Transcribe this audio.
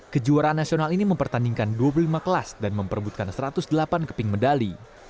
kejuaraan nasional ini mempertandingkan dua puluh lima kelas dan memperbutkan satu ratus delapan keping medali